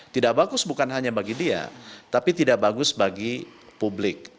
tidak bagus bukan hanya bagi dia tapi tidak bagus bagi publik